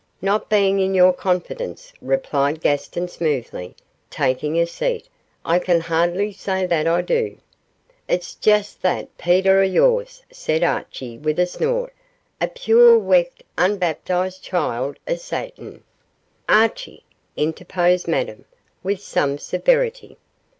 'Not being in your confidence,' replied Gaston, smoothly, taking a seat, 'I can hardly say that I do.' 'It's just that Peter o' yours,' said Archie, with a snort; 'a puir weecked unbaptised child o' Satan.' 'Archie!' interposed Madame, with some severity.